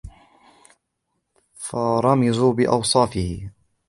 فَرَمَزُوا بِأَوْصَافِهِ